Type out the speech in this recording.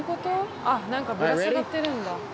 あっ、なんかぶら下がってるんだ。